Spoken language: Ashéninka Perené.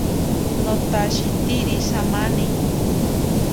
Notashitsiri samani.